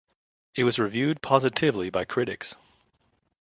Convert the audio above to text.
It was reviewed positively by critics.